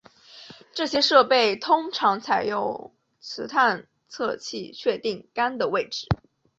这些设备通常采用磁探测器确定杆的位置。